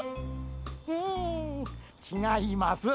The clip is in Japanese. ううんちがいます。